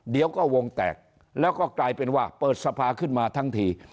เดี๋ยวก็วงแตกแล้วก็กลายเป็นว่าเปิดสภาขึ้นมาทั้งที